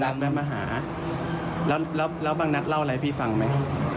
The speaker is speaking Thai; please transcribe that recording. แต่ยอมรับว่าลูกสาวเขาหายตัวไป